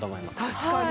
確かに。